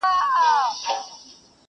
موږ ته مو قسمت پیالې نسکوري کړې د میو٫